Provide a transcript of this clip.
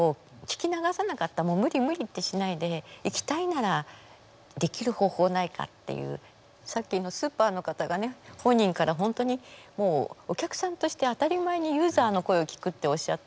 もう無理無理ってしないで行きたいならできる方法ないかっていうさっきのスーパーの方がね本人から本当にもうお客さんとして当たり前にユーザーの声を聞くっておっしゃった。